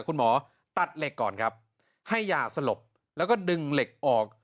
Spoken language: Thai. คุณหมอตัดเหล็กก่อนครับให้ยาสลบแล้วก็ดึงเหล็กออก